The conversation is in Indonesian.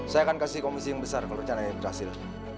saya akan kasih komisi yang besar kalau rencananya berhasil